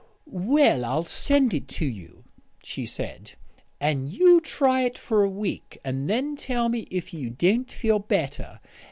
"Well, I'll send it to you," she said. "And you try it for a week, and then tell me if you don't feel better.